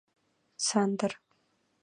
Сандыр.